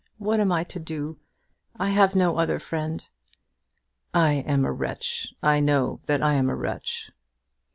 What am I to do? I have no other friend." "I am a wretch. I know that I am a wretch."